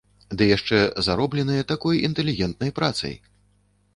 Ды яшчэ заробленыя такой інтэлігентнай працай!